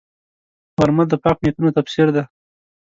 غرمه د پاک نیتونو تفسیر دی